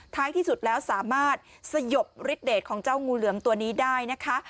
ที่สุดแล้วสามารถสยบฤทธเดทของเจ้างูเหลือมตัวนี้ได้นะคะ